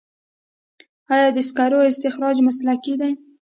آیا د سکرو استخراج مسلکي دی؟